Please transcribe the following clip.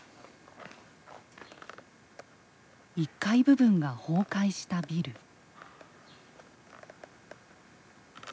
１階部分が崩壊したビル。